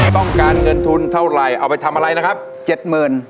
ต้องการเงินทุนเท่าไหร่เอาไปทำอะไรนะครับเจ็ดหมื่น